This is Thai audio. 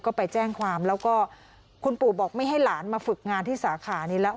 ก็ไปแจ้งความแล้วก็คุณปู่บอกไม่ให้หลานมาฝึกงานที่สาขานี้แล้ว